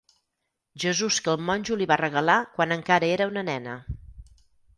Jesús que el monjo li va regalar quan encara era una nena.